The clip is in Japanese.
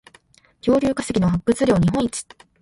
恐竜化石の発掘量日本一